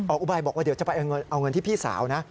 อุบายบอกว่าเดี๋ยวจะไปเอาเงินที่พี่สาวนะ